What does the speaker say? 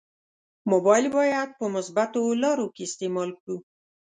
مبایل باید په مثبتو لارو کې استعمال کړو.